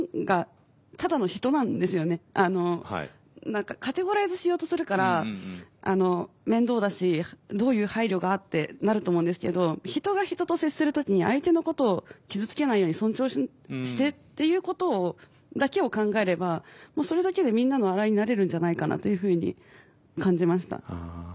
何かカテゴライズしようとするから面倒だしどういう配慮がってなると思うんですけど人が人と接する時に相手のことを傷つけないように尊重してっていうことだけを考えればそれだけでみんなのアライになれるんじゃないかなというふうに感じました。